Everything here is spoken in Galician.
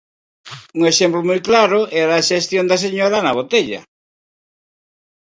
Un exemplo moi claro era a xestión da señora Ana Botella.